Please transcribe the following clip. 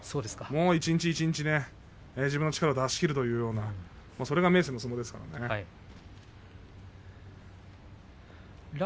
一日一日、自分の力を出し切るというようなそれが明生の相撲ですから。